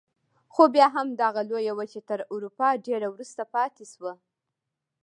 خو بیا هم دغه لویه وچه تر اروپا ډېره وروسته پاتې شوه.